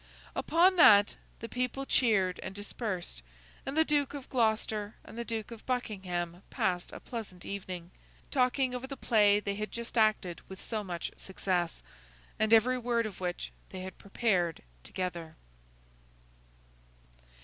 Upon that, the people cheered and dispersed; and the Duke of Gloucester and the Duke of Buckingham passed a pleasant evening, talking over the play they had just acted with so much success, and every word of which they had prepared together.